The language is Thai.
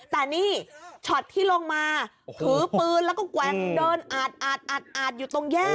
แต่นี่ช็อตที่ลงมาถือปืนแล้วก็แกว่งเดินอาดอยู่ตรงแยก